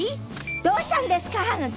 「どうしたんですか？」なんて。